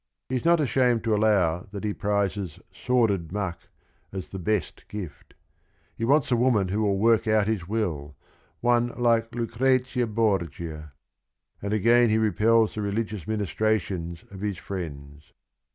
He is not ashamed to allow that he prizes "sordid muck" as the best gift. He wants a woman who will work out his will, one like Lucrezia Borgia; and again he repels the relig ious ministrations of his friends.